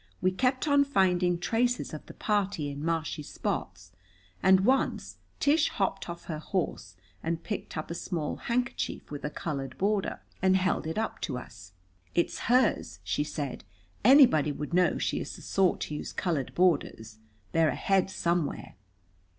We kept on finding traces of the party in marshy spots, and once Tish hopped off her horse and picked up a small handkerchief with a colored border and held it up to us. "It's hers," she said. "Anybody would know she is the sort to use colored borders. They're ahead somewhere."